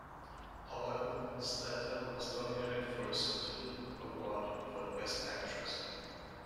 However, Slater was nominated for a Saturn Award for Best Actress.